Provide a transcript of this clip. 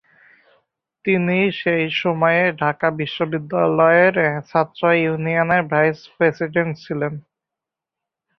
তিনি সেই সময়ে ঢাকা বিশ্ববিদ্যালয়ের ছাত্র ইউনিয়নের ভাইস প্রেসিডেন্ট ছিলেন।